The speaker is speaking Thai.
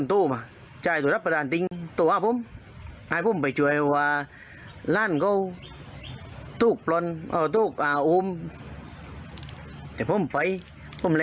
แต่จริงก็ไม่ได้เจ่งก็รู้ว่ามาอุ้ม